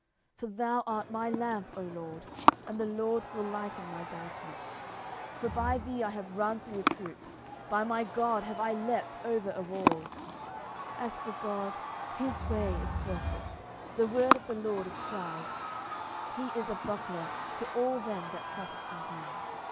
10:022:029 For thou art my lamp, O LORD: and the LORD will lighten my darkness. 10:022:030 For by thee I have run through a troop: by my God have I leaped over a wall. 10:022:031 As for God, his way is perfect; the word of the LORD is tried: he is a buckler to all them that trust in him.